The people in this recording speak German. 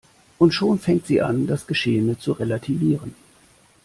Und schon fängt sie an, das Geschehene zu relativieren.